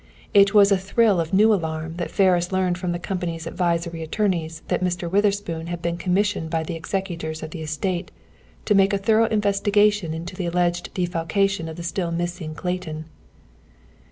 It was with a thrill of new alarm that Ferris learned from the company's advisory attorneys that Mr. Witherspoon had been commissioned by the executors of the estate "to make a thorough investigation into the alleged defalcation of the still missing Clayton."